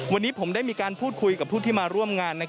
วันนี้ผมได้มีการพูดคุยกับผู้ที่มาร่วมงาน